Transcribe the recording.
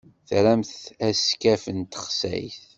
Tramt askaf n texsayt?